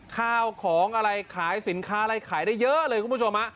ข้าวของอะไรขายสินค้าอะไรขายได้เยอะเลยคุณผู้ชม